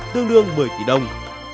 tương đương một mươi tỷ đồng